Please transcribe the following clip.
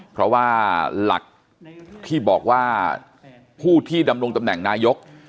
เพราะว่าหลักที่บอกว่าผู้ที่ดำรงตำแหน่งนายก